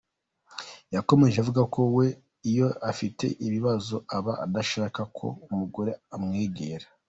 Yakomeje avuga ko we iyo afite ibibazo aba adashaka ko umugore amwegera.